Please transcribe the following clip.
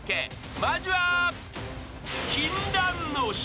［まずは］